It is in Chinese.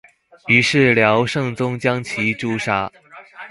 于是辽圣宗将其诛杀。